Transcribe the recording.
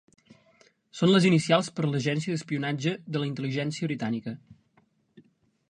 Són les inicials per l'agència d'espionatge de la Intel·ligència Britànica